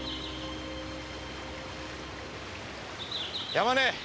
山根！